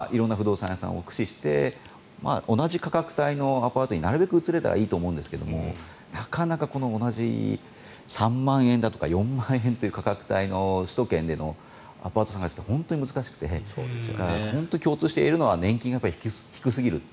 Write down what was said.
本当はそうなる前に早めに相談に来てほしいと思いますし色んな不動産屋さんを駆使して同じ価格帯のアパートになるべく移れたらいいと思いますけどなかなか同じ３万円だとか４万円の価格帯の首都圏のアパート探しって本当に難しくて本当に共通して言えるのは年金が低すぎる。